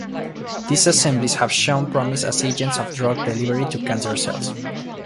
These assemblies have shown promise as agents of drug delivery to cancer cells.